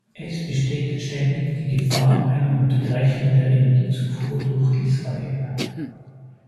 Es besteht ständig die Gefahr einer Unterbrechung der Energiezufuhr durch Israel.